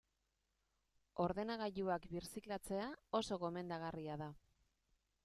Ordenagailuak birziklatzea oso gomendagarria da.